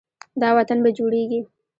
دا وطن به جوړیږي.